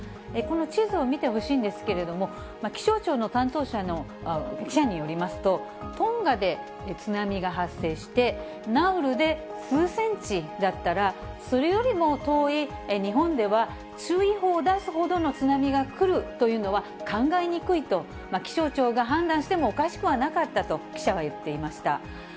この地図を見てほしいんですけれども、気象庁の担当の記者によりますと、トンガで津波が発生して、ナウルで数センチだったら、それよりも遠い日本では、注意報を出すほどの津波が来るというのは、考えにくいと、気象庁が判断してもおかしくはなかったと、記者は言っていました。